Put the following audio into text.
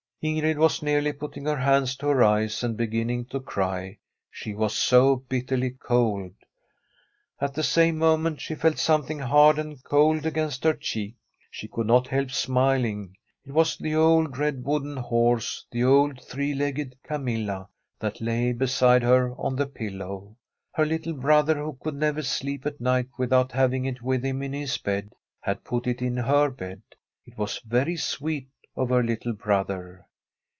Ingrid was nearly putting her hands to her eyes and beginning to cry, she was so bitterly cold. At the same moment she felt something hard and cold against her cheek. She could not help smiling. It was the old, red wooden horse, the old three legged Camilla, that lay beside her on the pillow. Her little brother, who could never sleep at night without having it with him in his bed, had put it in her bed. It was very sweet of her little brother.